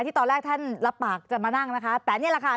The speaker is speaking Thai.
ตอนแรกท่านรับปากจะมานั่งนะคะแต่นี่แหละค่ะ